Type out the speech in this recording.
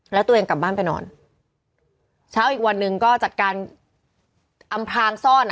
แล้วตัวเองกลับบ้านไปนอนเช้าอีกวันหนึ่งก็จัดการอำพลางซ่อน